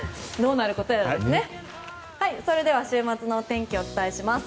それでは週末のお天気をお伝えします。